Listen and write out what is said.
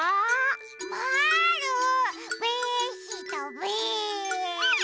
まぁるべしたべ！